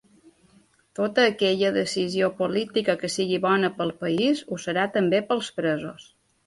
Tota aquella decisió política que sigui bona pel país, ho serà també pels presos.